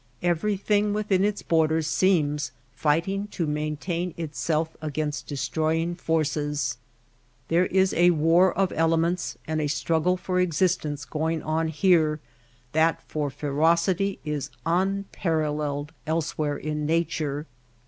Everything within its borders seems fighting to maintain itself against destroying forces. There is a war of elements and a struggle for existence going on here that for ferocity is unparalleled else where in nature.